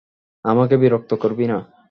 আমাকে বিরক্ত করবি না।